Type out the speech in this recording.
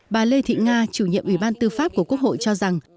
bà lê thị nga chủ nhiệm ủy ban tư pháp của quốc hội cho rằng